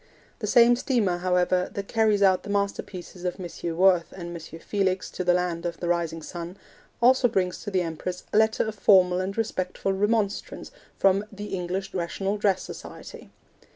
The same steamer, however, that carries out the masterpieces of M. Worth and M. Felix to the Land of the Rising Sun, also brings to the Empress a letter of formal and respectful remonstrance from the English Rational Dress Society.